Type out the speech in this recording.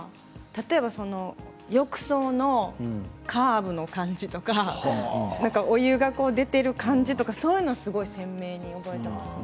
例えば浴槽のカーブの感じとかお湯が出ている感じとかそういうものは鮮明に覚えています。